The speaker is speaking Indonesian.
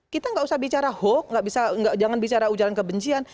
kita gak usah bicara hoax jangan bicara ujalan kebencian